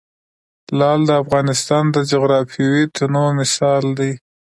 لعل د افغانستان د جغرافیوي تنوع مثال دی.